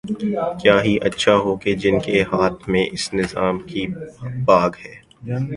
کیا ہی اچھا ہو کہ جن کے ہاتھ میں اس نظام کی باگ ہے۔